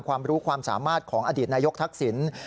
ความรู้ความสามารถของอดีตนายกทักษิณ